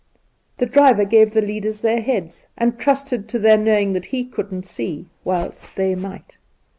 The driver gave the leaders their heads, and trusted to their knowing that he couldn't see, whilst they might.